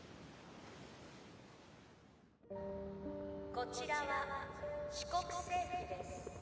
こちらは四国政府です。